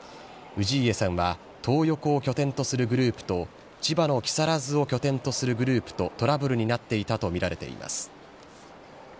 氏家さんはトー横を拠点とするグループと、千葉の木更津を拠点とするグループとトラブルになっていたと見られています。